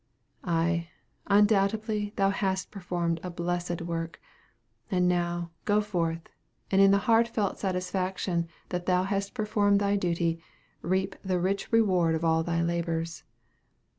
Ay, undoubtedly thou hast performed a blessed work; and now, go forth, and in the heartfelt satisfaction that thou hast performed thy duty, reap the rich reward of all thy labors.